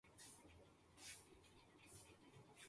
ساقی بھی اچھے ہوں اور گلاسوں کی جھنکار بھی ہو۔